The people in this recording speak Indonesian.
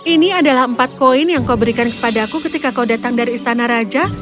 ini adalah empat koin yang kau berikan kepada aku ketika kau datang dari istana raja